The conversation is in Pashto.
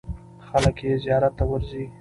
خلک یې زیارت ته ورځي.